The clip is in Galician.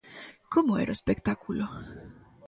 Como era o espectáculo?